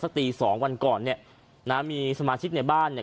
ตีสองวันก่อนเนี่ยนะมีสมาชิกในบ้านเนี่ย